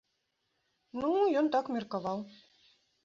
Ну, ён так меркаваў.